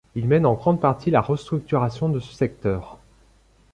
Il mène en grande partie la restructuration de ce secteur.